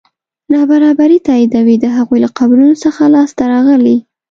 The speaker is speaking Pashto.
نابرابري تاییدوي د هغوی له قبرونو څخه لاسته راغلي.